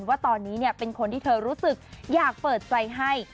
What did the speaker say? ว่าตอนนี้เป็นคนที่เธอรู้สึกอยากเปิดใจให้